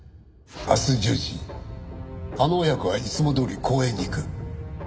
明日１０時あの親子はいつもどおり公園に行く。